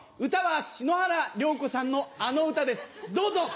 歌は篠原涼子さんのあの歌ですどうぞ！